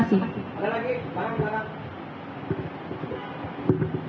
ada lagi pak